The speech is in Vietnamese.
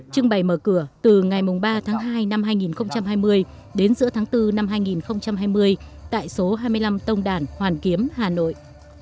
trưng bày mở cửa từ ngày ba tháng hai năm hai nghìn hai mươi đến giữa tháng bốn năm hai nghìn hai mươi tại số hai mươi năm tông đản hoàn kiếm hà nội